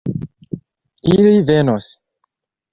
Ili venos.